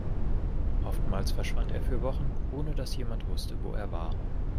Oftmals verschwand er für Wochen ohne dass jemand wusste, wo er war.